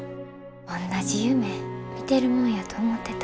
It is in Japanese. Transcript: おんなじ夢見てるもんやと思ってた。